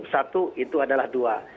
satu itu adalah dua